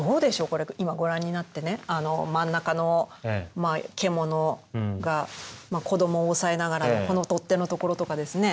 これ今ご覧になってね真ん中の獣が子どもをおさえながらのこの取っ手のところとかですね